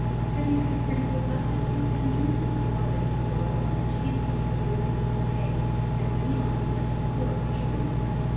"Have you had pretty good luck this week, Benjamin? Father couldn't go out much he has been so busy with his hay, and Leon is such a poor fisherman."